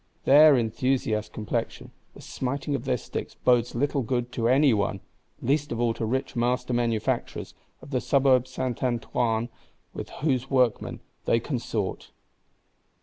Their enthusiast complexion, the smiting of their sticks bodes little good to any one; least of all to rich master manufacturers of the Suburb Saint Antoine, with whose workmen they consort.